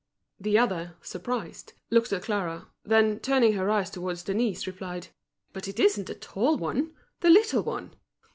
The other, surprised, looked at Clara; then, turning her eyes towards Denise, replied: "But it isn't the tall one; the little one!"